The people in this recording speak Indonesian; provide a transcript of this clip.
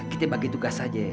kita bagi tugas aja ye